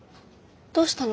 どうしたの？